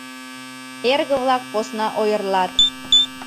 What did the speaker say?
Эрге-влак посна ойырлат.